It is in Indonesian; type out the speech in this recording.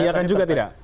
menyiarkan juga tidak